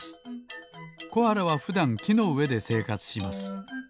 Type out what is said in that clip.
コアラはふだんきのうえでせいかつします。